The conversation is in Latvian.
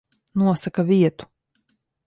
Nosaka vietu.